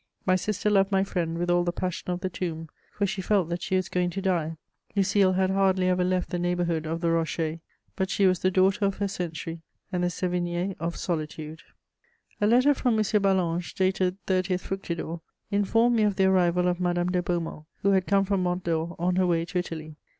My sister loved my friend with all the passion of the tomb, for she felt that she was going to die. Lucile had hardly ever left the neighbourhood of the Rochers; but she was the daughter of her century and the Sévigné of solitude. * A letter from M. Ballanche, dated 30 Fructidor, informed me of the arrival of Madame de Beaumont, who had come from Mont Dore on her way to Italy.